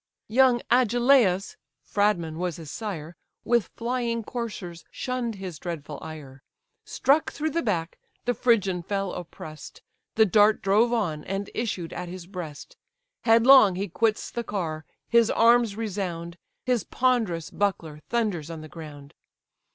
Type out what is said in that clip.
Young Agelaus (Phradmon was his sire) With flying coursers shunn'd his dreadful ire; Struck through the back, the Phrygian fell oppress'd; The dart drove on, and issued at his breast: Headlong he quits the car: his arms resound; His ponderous buckler thunders on the ground.